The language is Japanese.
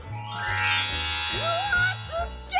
うわすっげ！